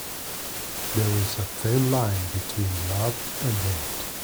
There is a thin line between love and hate.